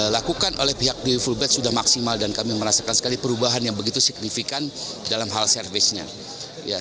lakukan oleh pihak di fullbad sudah maksimal dan kami merasakan sekali perubahan yang begitu signifikan dalam hal servisnya